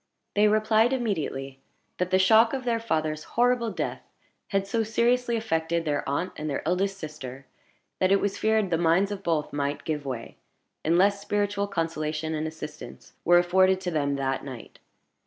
They replied immediately that the shock of their father's horrible death had so seriously affected their aunt and their eldest sister, that it was feared the minds of both might give way, unless spiritual consolation and assistance were afforded to them that night.